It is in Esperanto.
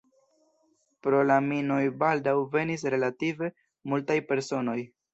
Pro la minoj baldaŭ venis relative multaj personoj.